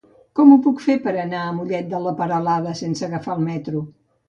Com ho puc fer per anar a Mollet de Peralada sense agafar el metro?